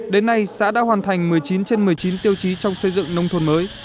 đến nay xã đã hoàn thành một mươi chín trên một mươi chín tiêu chí trong xây dựng nông thôn mới